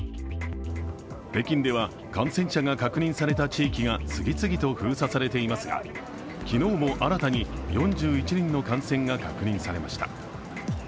北京では感染者が確認された地域が次々と封鎖されていますが昨日も新たに４１人の感染が確認されました。